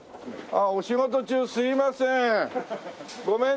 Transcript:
お仕事中すいません。